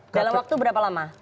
dalam waktu berapa lama